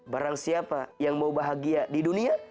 barang siapa yang mau bahagia di dunia